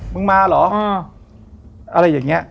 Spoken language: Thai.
มึงมาเหรออะไรอย่างนี้